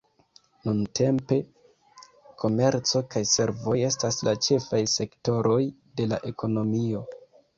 Nuntempe komerco kaj servoj estas la ĉefaj sektoroj de la ekonomio.